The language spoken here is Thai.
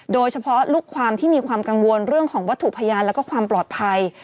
ลูกความที่มีความกังวลเรื่องของวัตถุพยานแล้วก็ความปลอดภัย